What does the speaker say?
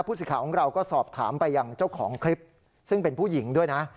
สิทธิ์ของเราก็สอบถามไปอย่างเจ้าของคลิปซึ่งเป็นผู้หญิงด้วยนะ